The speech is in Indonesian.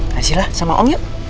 hasilah sama om yuk